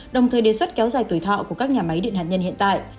đồng thời đề xuất kéo dài tuổi thọ của các nhà máy điện hạt nhân hiện tại